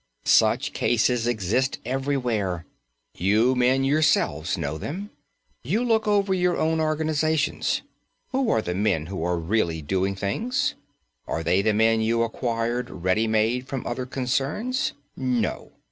Such cases exist everywhere. You men yourselves know them. You look over your own organizations. Who are the men who are really doing things? Are they the men you acquired ready made from other concerns? No!